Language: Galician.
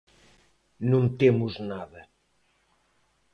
Non temos nada.